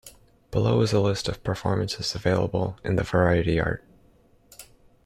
Below is a list of performances available in the variety art.